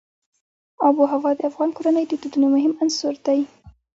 آب وهوا د افغان کورنیو د دودونو مهم عنصر دی.